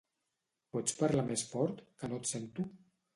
Pots parlar més fort, que no et sento?